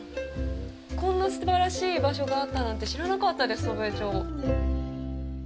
こんなすばらしい場所があったなんて知らなかったです。